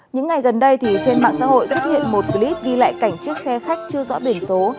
những ngày gần đây trên mạng xã hội xuất hiện một clip ghi lại cảnh chiếc xe khách chưa rõ biển số